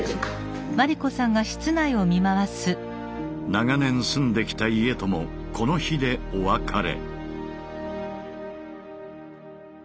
長年住んできた家ともこの日でお別れ。